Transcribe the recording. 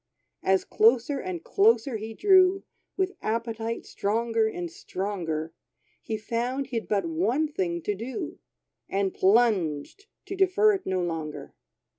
As closer and closer he drew, With appetite stronger and stronger, He found he'd but one thing to do, And plunged, to defer it no longer.